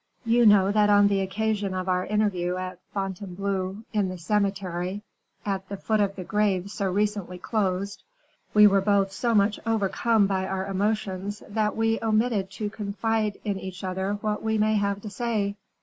You know that on the occasion of our interview at Fontainebleau, in the cemetery, at the foot of the grave so recently closed, we were both so much overcome by our emotions that we omitted to confide to each other what we may have to say."